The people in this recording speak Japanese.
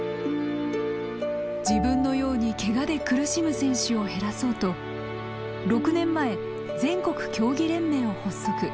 自分のようにケガで苦しむ選手を減らそうと６年前全国競技連盟を発足。